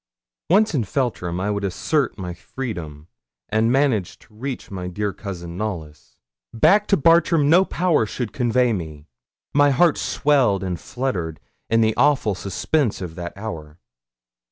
Once in Feltram, I would assert my freedom, and manage to reach my dear cousin Knollys. Back to Bartram no power should convey me. My heart swelled and fluttered in the awful suspense of that hour.